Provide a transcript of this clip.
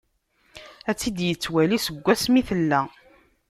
Ad-tt-id-yettwali, seg wass mi tella.